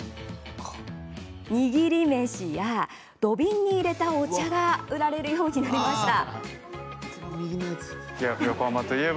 握り飯や、土瓶に入れたお茶が売られるようになりました。